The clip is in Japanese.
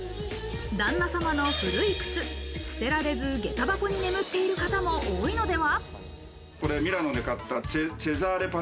旦那様の古い靴、捨てられず、下駄箱に眠っている方も多いのでは？